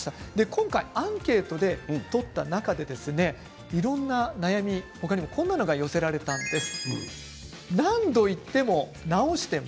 今回アンケートで取った中でいろんな悩み、他にもこんなものが寄せられました。